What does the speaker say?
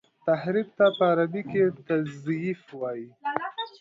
تحريف ته په عربي کي تزييف وايي.